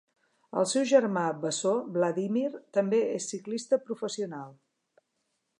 El seu germà bessó Vladímir també és ciclista professional.